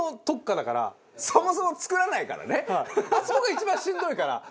あそこが一番しんどいから。